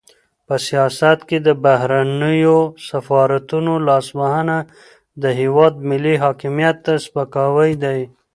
په سیاست کې د بهرنیو سفارتونو لاسوهنه د هېواد ملي حاکمیت ته سپکاوی دی.